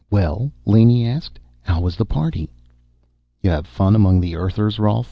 "Well," Laney asked. "How was the party?" "You have fun among the Earthers, Rolf?"